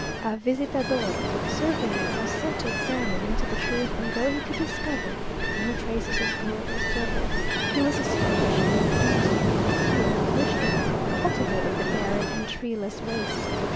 A visitador (surveyor) was sent to examine into the truth, and though he could discover no traces of gold or silver, he was astonished by the industry and zeal with which they had cultivated the barren and treeless waste.